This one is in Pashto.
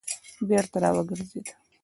بېرته را وګرځېد.